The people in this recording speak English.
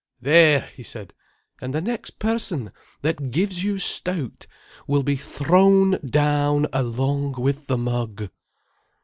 "There!" he said. "And the next person that gives you stout will be thrown down along with the mug."